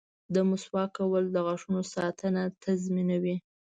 • د مسواک کول د غاښونو ساتنه تضمینوي.